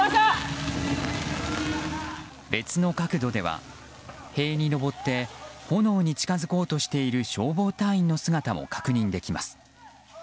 別の角度では塀に上って炎に近づこうとしている消防隊員の姿も確認できます。